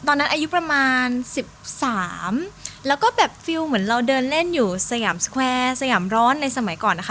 ตอนนั้นอายุประมาณ๑๓แล้วก็แบบฟิลเหมือนเราเดินเล่นอยู่สยามสแควร์สยามร้อนในสมัยก่อนนะคะ